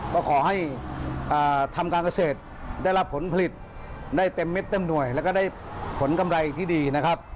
ก็ขอให้ทำการเกษตรได้รับผลผลิตได้เต็มเม็ดเต็มหน่วยแล้วก็ได้ผลกำไรที่ดีนะครับ